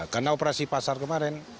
karena operasi pasar kemarin